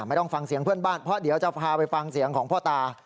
ไม่ต้องฟังเสียงเพื่อนบ้านเพราะเดี๋ยวจะพาไปฟังเสียงของพ่อตา